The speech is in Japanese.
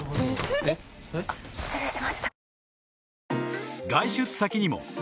あっ失礼しました。